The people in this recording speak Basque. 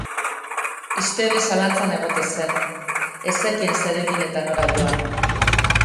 Ixtebe zalantzan egoten zen, ez zekien zer egin eta nora joan.